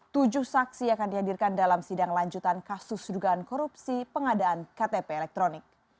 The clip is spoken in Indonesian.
tujuh saksi akan dihadirkan dalam sidang lanjutan kasus dugaan korupsi pengadaan ktp elektronik